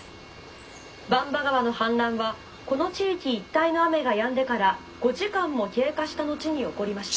番場川の氾濫はこの地域一帯の雨がやんでから５時間も経過した後に起こりました。